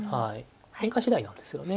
展開次第なんですよね。